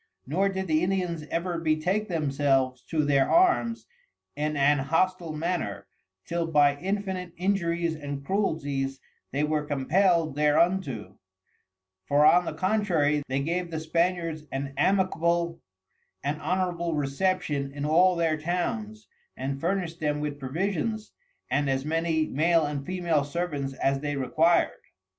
Nor did the Indians ever betake themselves to their Arms in an Hostile manner, till by infinite Injuries and Cruelties they were compell'd thereunto: For on the contrary, they gave the Spaniards an amicable and honourable Reception in all their Towns, and furnished them with Provisions, and as many Male and Female Servants as they required.